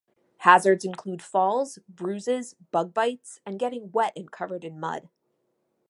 Hazards include falls, bruises, bug bites and getting wet and covered in mud.